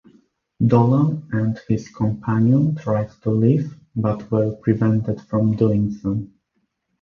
Dolan and his companion tried to leave but were prevented from doing so.